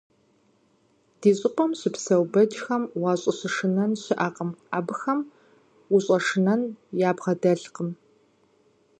Ди щIыпIэм щыпсэу бэджхэм уащIыщыщтэн щыIэкъым, абыхэм ущIэшынэн ябгъэдэлъкъым.